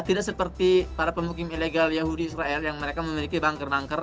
tidak seperti para pemukim ilegal yahudi israel yang mereka memiliki bunker bunker